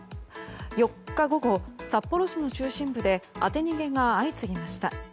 ４日午後、札幌市の中心部で当て逃げが相次ぎました。